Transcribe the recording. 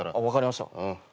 分かりました。